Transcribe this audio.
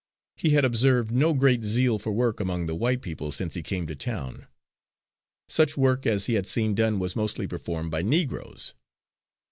He had observed no great zeal for work among the white people since he came to town; such work as he had seen done was mostly performed by Negroes.